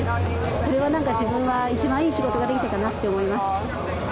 それはなんか、自分は一番いい仕事ができたかなって思います。